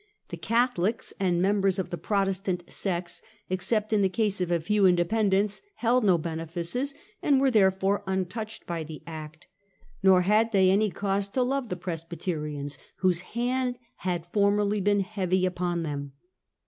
The Catholics and members The other °f the Protestant sects, except in the case of a Dissenters. f ew independents^ held no benefices, and were therefore untouched by the Act. Nor had they any cause to love the Presbyterians, whose hand had formerly been heavy upon them.